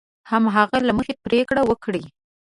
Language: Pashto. هماغه له مخې پرېکړه وکړي.